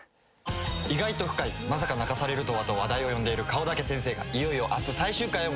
意外と深いまさか泣かされるとはと話題を呼んでいる『顔だけ先生』がいよいよ明日最終回を迎えます。